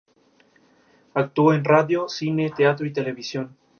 Y, fue profesor asociado de biología, en el Dto.